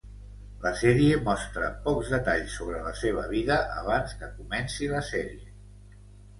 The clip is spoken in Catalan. La sèrie mostra pocs detalls sobre la seva vida abans que comenci la sèrie.